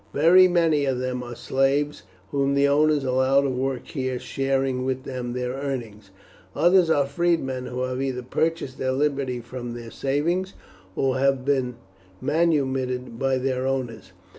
"Very many of them are slaves whom the owners allow to work here, sharing with them their earnings; others are freedmen who have either purchased their liberty from their savings, or have been manumitted by their owners.